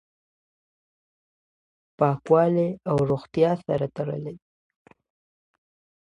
پاکوالی او روغتیا سره تړلي دي.